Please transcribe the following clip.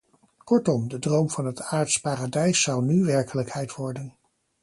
Kortom, de droom van het aards paradijs zou nu werkelijkheid worden.